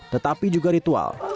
tetapi juga ritual